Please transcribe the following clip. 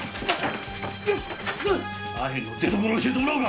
アヘンの出どころを教えてもらおう。